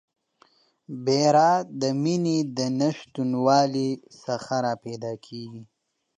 بیره د میني د نشتوالي څخه راپیدا کیږي